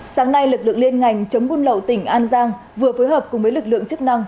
sáng nay lực lượng liên ngành chống buôn lậu tỉnh an giang vừa phối hợp cùng với lực lượng chức năng